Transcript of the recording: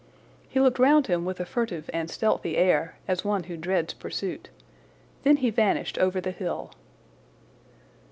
He looked round him with a furtive and stealthy air, as one who dreads pursuit. Then he vanished over the hill.